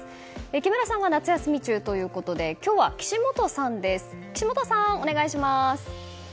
木村さんは夏休み中ということで今日は岸本さんです。